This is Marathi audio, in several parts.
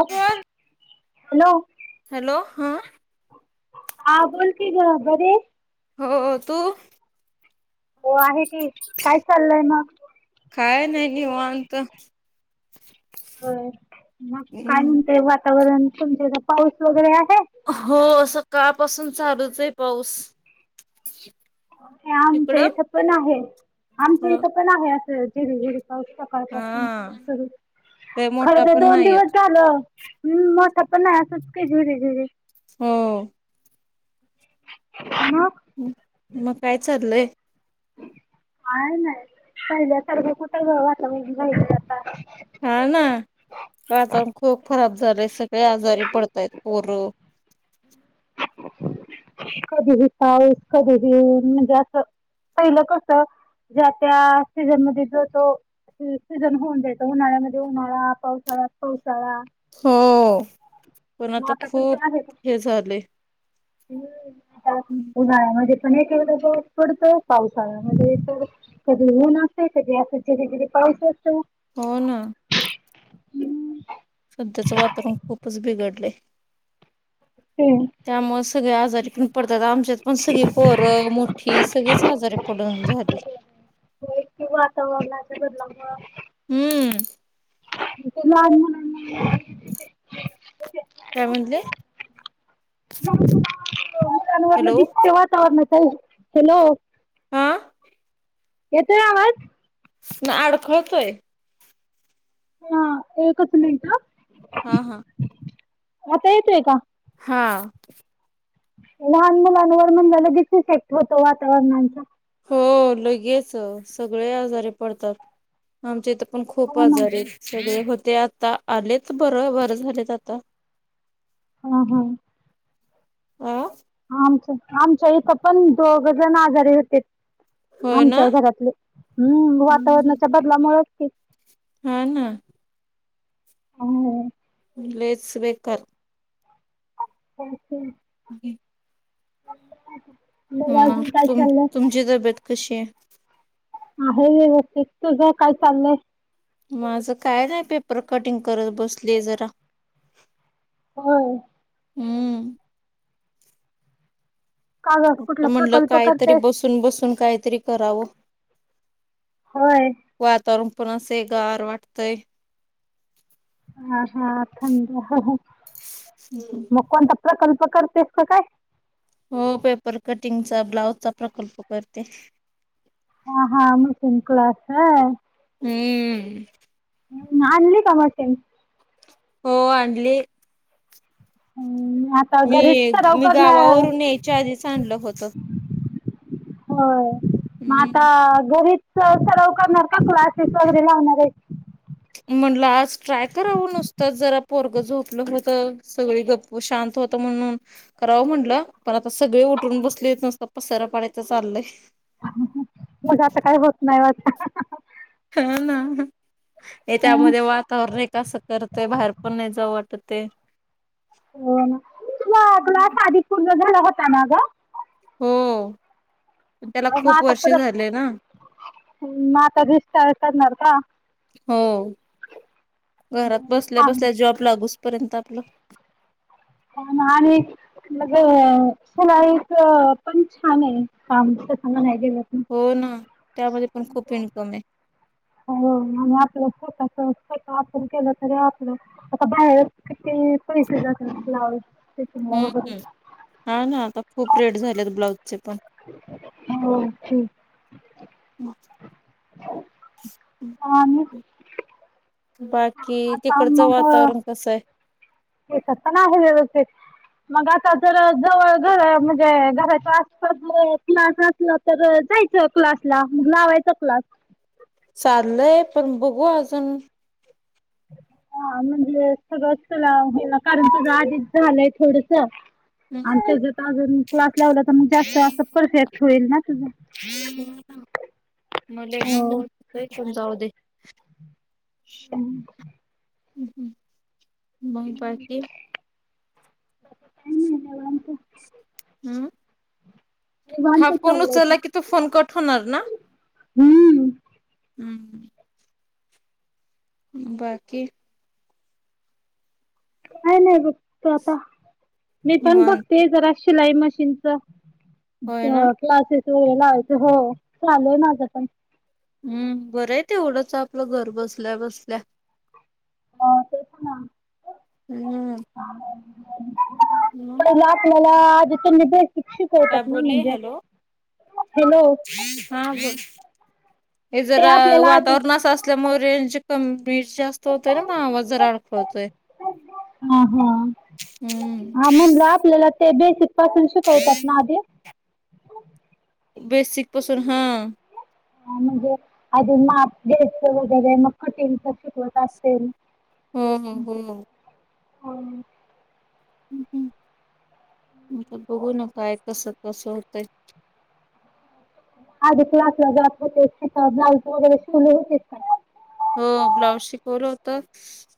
हॅलो. हां. हा बोल की ग बरी येस. हो तू? हो आहे की. काय चाललय मग? काय नाही निवांत. होय मग काय हम्म. म्हणते वातावरण तुमच्या इथं पाऊस वगैरे हाय? कवा पसून चालूचय पाऊस. आमचं तिकडं? इथं पण आहे, आमचं हो इथं पण आहे, असं झेरी झेरी. हा सकाळपासून सुरू लय खर मोठा तर पण दोन नाही येत दिवस झालं. हम्म म सपना आसच की झुरी झुरी. हो. मग म काय चाललंय? काय नाय पहिल्यासारख कुठं ग वातावरण राहिलंय आता. हा ना वातावरण खूप खराब झालंय सग ळी आजारी पडताय पोरं. कधीही पाऊस कधीही म्हणजे असं पहिलं कस ज्या त्या सीझनमधी जो तो सीझन होऊन जायचा उन्हाळ्यामध्ये उन्हाळा पावसाळ्यात पावसाळा हो पण मग आता खूप हे झालय. हम्म आता उन्हाळ्यामध्ये पण एक एकदा जेव्हा पडतय पावसाळा मधे तर कधी ऊन असतय कधी असं जिरी जिरी पड पाहिजे असतो हो ना. हम्म. सध्याचं वातावरण खूपच बिघडलय. ते- त्यामुळे सगळे आजारी पण पडतात आमच्यात पण सगळी पोरं मोठी सगळेच आजारी पडून झाली. होय ते वातावरणाच्या बदला मुळं. हम्म [inaudible] काय म्हटले? [unintelligible] हॅलो ताई हेलो. हा येतोय आवाज. ना अडखळतोय. हा एकच मिनट. हा हा. आता येत रे का? हां. लहान मुलांवर म्हण ल लगेच सेट होत वातावरणचा हो लगेच सगळे आजारे पडतात आमचे इथ. पण खूप हो ना. आजार सगळे हो. ते आता आलेच बरं बर झालेत आता हा हा. आ आमच्या आमच्या इथं पण दोघ जण आजारी होते. होय ना आमच्या घरातले हम्म हम्म, वातावरणाच्या बदलामुळेचते हा ना. हो. लेच वेकर अचछा. ह. हा. हम मग तुम तुमची तब्येत कशी आहे. आहे व्यवस्थित तुझ काय चाललंय. माझं काय नाही पेपर कटिंग करत बसले जरा हो. हम्म. का ग कुठला म्हटलं प्रकल्प काहीतरी करतेस? बसून बसून काहीतरी करावं. होय. तरुण पण असे गार वाटतय. हा हा थंड मग कोणता प्रकल्प करतेस का काय? हो पेपर कटिंगचा ब्लाउज चा प्रकल्प करते. ह हा म सिं कलास हम्म. ह् अल् कामाटेन हो आणली. हम्म. मी मी गावावरून यायच्या आधीच आणलं होत. हो मग हम्म. आता गरी स सराव करणार का क्लासेस वगैरे लावणार आहे. म्हणला आज ट्राय करावं नुसतं जरा पोरग झोपलं हो तर सगळे गप्प शांत होत. म्हणून करावं म्हटलं पण आता सगळे उठरून बसले य नसत पसार पाडायचं चालय. मग आता काय होत नाही वाटत हा ना. हे त्यामध्ये हो वातावरण हे कसं करतय बाहेर पण नाही जा वाटते. हो ना तुला साध पूर्ण झाला होता ना ग. हो त्याला खूप वर्ष झाले ना. ह् मता दिष्ट करणार का? हो. घरात बसल्या छान बसल्या जॉब लागूचपर्यंत आपलं. नाले. मगला एक पण छान आहे काम सग हो ना त्यामध्ये पण खूप इन्कम आहे. हो आणि आपलंट आपण गेल तरी आपलं आता बाहेर पैसे जात ब्लाऊज ते फिटिंग ला वगैरे हम्म हा ना आता खूप रेट झालेत ब्लाऊजचे पण. हो ठीक. म आणि बाकी तिकडचं वातावरण कसं आहे? ते कसं ना आहे व्यवस्थित. मग आता तर जवळ घर म्हणजे घराच्या आसपास क्लास असला तर जायच क्लास ला मग लावायचा क्लास चालय पण बघू अजून हा म्हणजे सगळंच तुला, कारण तुझं आधीच झालंय थोडस आणि अजून क्लास लावला तर मग जास्त असत परफेक्ट होईल ना तुझं म कोण हो कोण जाऊ दे. हम हं मग बाकी? काही नाही निवांत हम हा निवांत फोन चाललंय बघ. उचला की तो फोन कट होणार ना हम्म हम्म. बाकी काय नाही बघतो आता मी पण निवांत बघते जरा शिलाई मशीनच होय ना? क्लासेस वगैरे लावायचे हो चालूय माझं पण हम्म बरं आहे तेवढंच आपलं घर बसल्या बसल्या हो तेच ना. हम्म मग पहिलं आपल्याला बेसिक शिकवतात काय ना बोलली? म्हणजे हॅलो हॅलो हा बोल हे ते जरा आपल्याला आधी वातावरण असं असल्यामुळे वीज जास्त होतय ना आवाज जरा अडखळतोय. ह हा हम्म हा म्हण आपल्याला ते बेसिक पासून शिकवतात ना आधी बेसिक पसून हा ह म्हणजे आधून माप वगैरे मग कटिंगच शिकवत असेल. हम्म हम् हम्म हम हम्म ् हम् बघू न काय कस कस होतय? आधी क्लासला जात होते तिथ ब्लाउज वगैरे शिवले होते काय? ब्लॉऊस शिकवल होत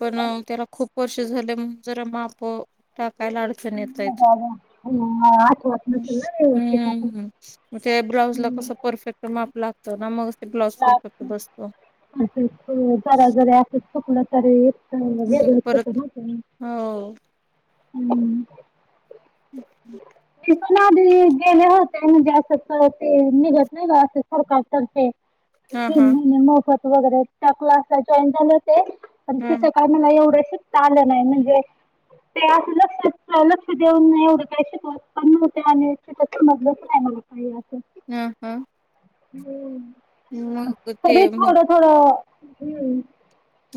पण त्याला खूप वर्ष झालं जरा मापं कायला अडचण येतय आठवत नसेल ना व्यवस्थित आपण हम् म ते ब्लाउज ला कस परफेक्ट माप लागत ना मग ते ब्लाउज परफेक्ट बसतो. जरा जरी अस चुकलं तरी मग परत [unintelligible] हो हम्म अम्छा [inaudible] [unintelligible] गेले होते ते निघत नाही का सरकार तर्फे हा हा तीन महिने मोफत वगैरे त्या क्लासला जॉईन झाल्या हा तिथं काय मला एवढ चालं नाही म्हणजे ते अस लक्ष लक्ष देऊन नाही एवढं काही शिकत पण नवत्या आणि समजलंच नाही मला काही अस हम् हम् हम तरी मग थोडं थोडं - हम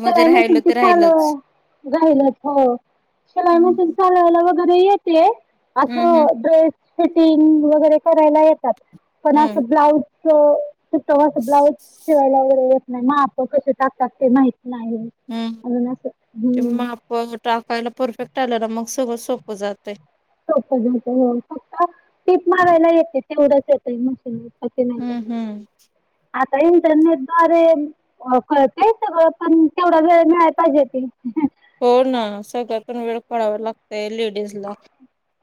मग ते मशीन राहिलं तू ते चालव राहिलच. -. राहिलं हो शिलाई मशिन हम्म. चालवायला वगैरे येतेय अस हम्म हम्म ड्रेस.. फिटिंग वगैरे करायला येतात पण हम्म. असं ब्लाऊज. तूं ब्लाउज शिवायला वगैरे येत नाही म आप कसे टाकतात ते माहिित. हम्म ते हम्म माप टाकायला परफेक्ट. टाल्या ना मग सगळं सोपं जातय. सप हो फक्त टीप मारायला येते तेवढंच येतय मग. ह के नाही का. हम्म हम्म. आता इंटरनेट द्वारे कळतय सगळं पण केवढा वेळ मिळाला पाहिजे त. हो ना सगळ्यातून वेळ पडवा लागत.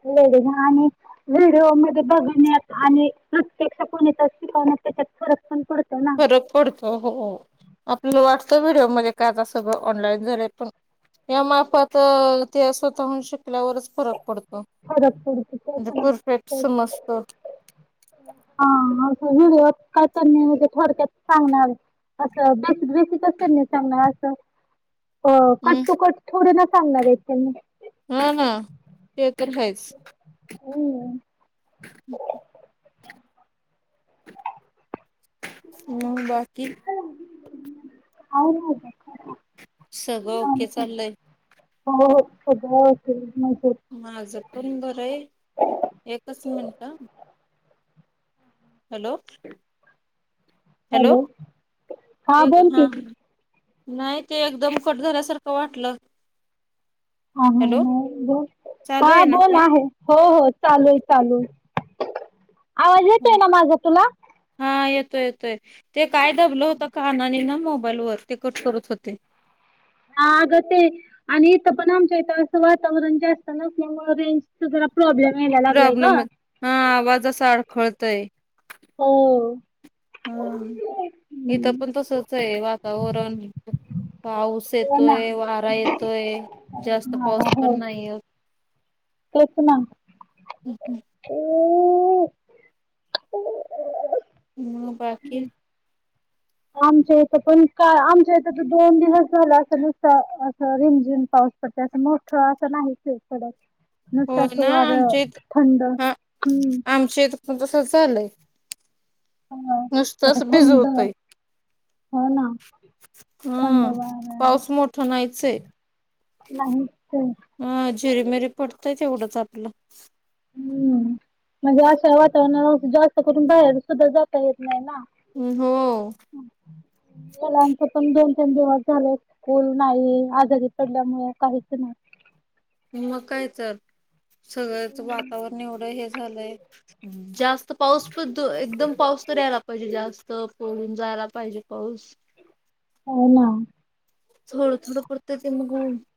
नाान. [unintelligible] व्हिडिओ मध्ये बघून आणि प्रत्यक्ष कोणी शिकवण्यात त्याच्यात फरक पण प. फरक पडत हो आपलं वाट. व्हिडिओ म्हणजे काय आता सगळं ऑनलाईन झालंय पण या माफात ते स्वतः श- ल्यावरच फरक पडतो फरक पडतो म्हणजे त्याच्यामुळे परफेक्ट समजत. हा असं काय त्यांनी म्हजे थोडक्यात सांगणार? असं बेस बेसी कस नाही चांग असं. अ कट हम्म टु कट थोडे ना सांगणार आहेत? त्यांनी हा ना ते तर आहेच. हम्म. मग बाकी. हो [unintelligible] सगळं ओके चाललंय? हो हो खज असत [unintelligible] माझं पण बर आहे. एकच मिनिट - हॅलो. हॅलो बोल हा की ह. नाही ते एकदम कट झाल्यासारखं वाटलं? हा हा हॅलो नाहीबोल हा चालू आहे ना बोल आहे हो हो. चालू आहे चालू आहे आवाज येत आहे फोन ना माझा तुला? हा येतोय ते काय दबलं होत कानानी ना मोबाईल वर ते कट करत होते. हाग ते आणि इथं पण आमच्या इथ असं वातावरण जास्त नामुळे रेंज जरा. प्रॉब्लेम यायला लागलाय ग. प्रॉब्लेम हा आवाजच अडखळतय.. हो. हा इथं पण तसच आहे वातावरण- पाऊस हो ना येतोय वारा येतोय जास्त हा पाऊस पण हो नाहीय! तेच ना. हम् हम. म बाकी. आमच्या इथ पण काय आमच्या इथ तर दोन दिवस झाला अस नुसत अस रिमझिम पाऊस पडतो. मोठ असं नाही पडत. हो नुकताच ना वार आमच्या इथ थंड हा हम्म.. आमच्या इथ पण तसच झालंय ह अता नुसतंच थंड हो ना थंड हम वारा पाऊस मोठा नाहीचय? नाहीच अ. चिरीमरी पडतय तेवढंच आपलं. हम्म म्हणजे अशा वातावरणाला जास्त करून बाहेर सुद्धा जाता येत नाही ना? ् हो हम्. मुलांच पण दोन तीन दिवस झाले स्कूल नाही आजारी पडल्यामुळे काहीच नाही... [unintelligible] मग काय च? सगळ्याच वातावरण एवढं हे झालंय जास्त पाऊस प एकदम पाऊस तर यायला लागतो. पाहिजे जास्त पून जायला पाहिजे पाऊस? हो ना थडू थोड पडत ते मग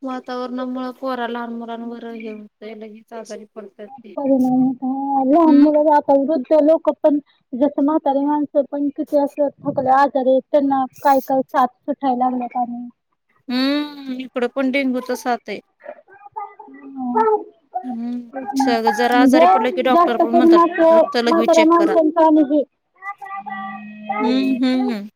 वातावरणामुळ वा. लहान मुलां वर घेतय लगेच आजारी पडतात ते परिणाम हो लहान हम्म मुल आता रुद्ध लोक पण जसं म्हते माणस पण किती अस ठकल्या आजार आहे त्यांना काय काय साथ सुटायला लागलं पा नाही हम्म इकड पं डेंगूत साताय हम हम्म सगळं जरा आजारी पडलं म्हणजे की डॉक्टर जास्त पण कर म म्हणतात रक्त लघवी मातार चेक करा माणसाण ह हम्म हम्म हम्